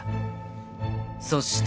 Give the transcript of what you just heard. そして］